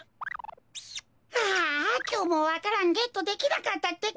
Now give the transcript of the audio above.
ああきょうもわか蘭ゲットできなかったってか。